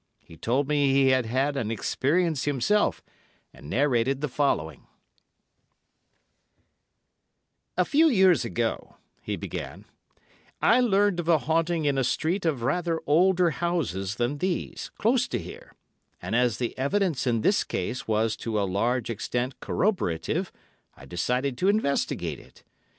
He told me he had had an experience himself, and narrated the following:— "A few years ago," he began, "I learned of a haunting in a street of rather older houses than these, close to here; and as the evidence in this case was to a large extent corroborative, I decided to investigate it.